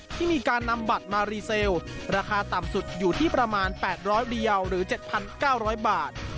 ที่มีการนำบัตรมารีเซลราคาต่ำสุดอยู่ที่ประมาณ๘๐๐เดียวหรือ๗๙๐๐บาท